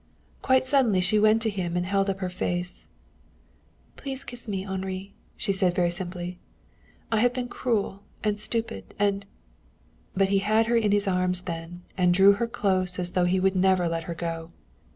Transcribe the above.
Quite suddenly she went to him and held up her face. "Please kiss me, Henri," she said very simply. "I have been cruel and stupid, and " But he had her in his arms then, and he drew her close as though he would never let her go.